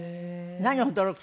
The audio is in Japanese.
何を驚く？